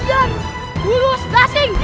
aduh gawat surawat ini